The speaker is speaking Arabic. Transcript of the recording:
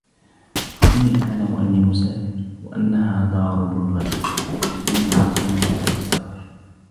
إنِّي أَعْلَمُ أَنِّي مُسَافِرٌ وَأَنَّهَا دَارُ بُلْغَةٍ وَإِنَّ الْعَصَا مِنْ آلَةِ السَّفَرِ